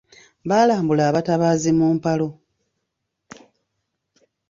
Baalambula abatabaazi mu mpalo.